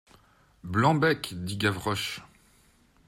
Blanc-bec ! dit Gavroche.